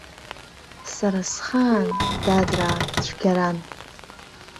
Сара схаан, дадраа, цәгьаран.